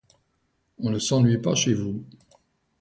On ne s’ennuie pas chez vous.